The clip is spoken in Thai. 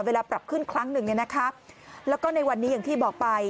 ปรับขึ้นครั้งหนึ่งเนี่ยนะคะแล้วก็ในวันนี้อย่างที่บอกไป